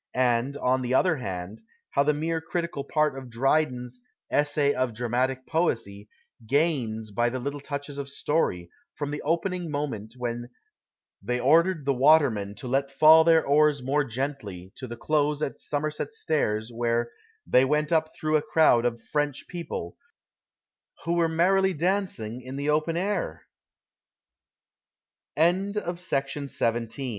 And, on the other hand, how the mere critical part of Dryden's " Essay of Dramatic Poesy " gains by the little touches of story, from the opening moment when " they ordered the watermen to let fall their oars more gently " to the close at Somerset Stairs, where '' they went up through a crowd of French people, who were merrily dan